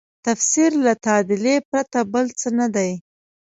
تفسیر له تعدیله پرته بل څه نه دی.